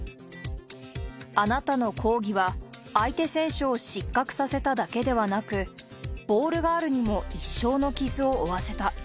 あなたの抗議は、相手選手を失格させただけではなく、ボールガールにも一生の傷を負わせた。